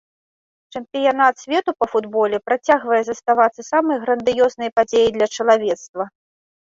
Чэмпіянат свету па футболе працягвае заставацца самай грандыёзнай падзеяй для чалавецтва.